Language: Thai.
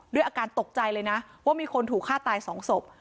อาการตกใจเลยนะว่ามีคนถูกฆ่าตายสองศพ